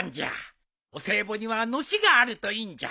お歳暮にはのしがあるといいんじゃ。